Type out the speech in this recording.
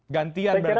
gantian berarti ini